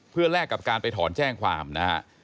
เพื่อแลกกับการไปถอนแจ้งความนะฮะ